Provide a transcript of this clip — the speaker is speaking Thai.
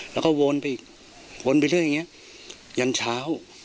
แล้วก็วนไปอีกวนไปเรื่อยอย่างนี้ยันเช้า